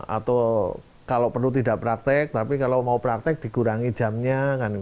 atau kalau perlu tidak praktek tapi kalau mau praktek dikurangi jamnya